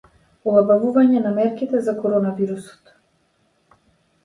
Олабавување на мерките за коронавирусот